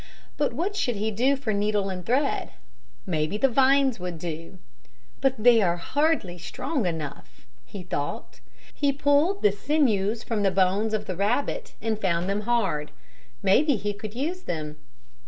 But what should he do for needle and thread? Maybe the vines would do. "But they are hardly strong enough," he thought. He pulled the sinews from the bones of the rabbit and found them hard. Maybe he could use them.